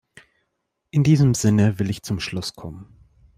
In diesem Sinne will ich zum Schluss kommen.